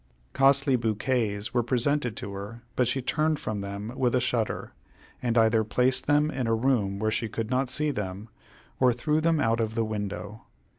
Costly bouquets were presented to her, but she turned from them with a shudder, and either placed them in a room where she could not see them, or threw them out of the window.